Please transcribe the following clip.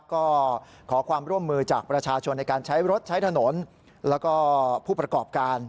ก็ขอความร่วมมือจากประชาชนในการใช้รถใช้ถนนแล้วก็ผู้ประกอบการ